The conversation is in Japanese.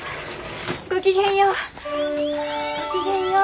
ごきげんよう！